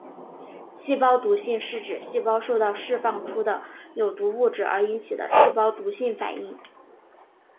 细胞毒性是指细胞受到释放出的有毒物质而引起的细胞毒性反应。